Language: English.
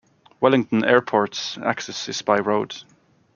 Wellington Airport's access is by road.